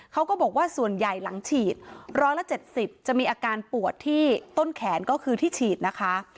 เขาก็บอกว่าส่วนใหญ่หลังฉีด๑๗๐จะมีอาการปวดที่ต้นแขนก็คือที่ฉีดนะคะ